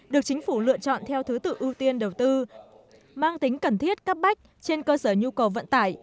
được chính phủ lựa chọn theo thứ tự ưu tiên đầu tư mang tính cần thiết cấp bách trên cơ sở nhu cầu vận tải